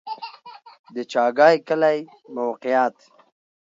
د چاګای کلی موقعیت